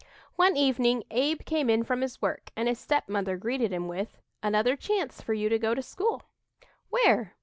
One evening Abe came in from his work and his stepmother greeted him with: "Another chance for you to go to school." "Where?"